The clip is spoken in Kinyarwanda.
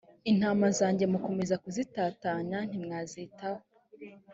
intama zanjye mukomeza kuzitatanya ntimwazitaho